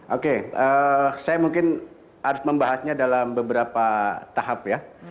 oke saya mungkin harus membahasnya dalam beberapa tahap ya